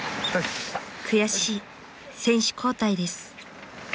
［悔しい選手交代です］